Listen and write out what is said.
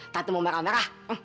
tante mau merah merah